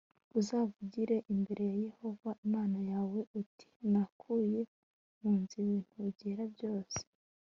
Uzavugire imbere ya Yehova Imana yawe uti nakuye mu nzu ibintu byera byose